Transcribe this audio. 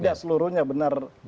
tidak seluruhnya benar